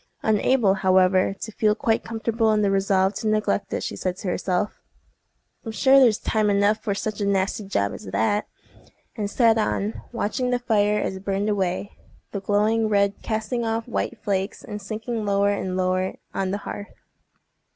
Unable, however, to feel quite comfortable in the resolve to neglect it, she said to herself, "I'm sure there's time enough for such a nasty job as that!" and sat on, watching the fire as it burned away, the glowing red casting off white flakes, and sinking lower and lower on the hearth.